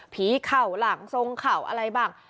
เข่าหลังทรงเข่าอะไรบ้าง